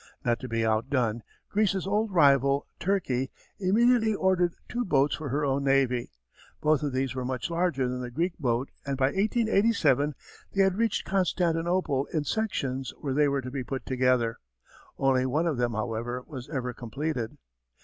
Not to be outdone, Greece's old rival, Turkey, immediately ordered two boats for her own navy. Both of these were much larger than the Greek boat and by 1887 they had reached Constantinople in sections where they were to be put together. Only one of them, however, was ever completed.